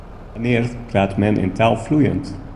Wannear praat men in taal floeiend?